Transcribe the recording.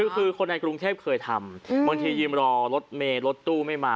คือคนในกรุงเทพเคยทำบางทียืมรอรถเมลรถตู้ไม่มา